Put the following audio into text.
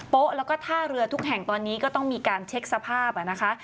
แล้วก็ท่าเรือทุกแห่งตอนนี้ก็ต้องมีการเช็คสภาพนะคะ